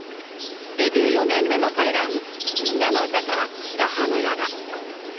デビュー４年目の彼らに「みんなのうた」から白羽の矢が。